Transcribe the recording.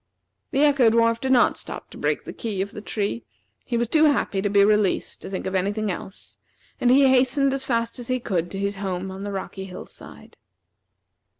The Echo dwarf did not stop to break the key of the tree. He was too happy to be released to think of any thing else, and he hastened as fast as he could to his home on the rocky hill side.